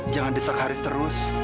jangan desak haris terus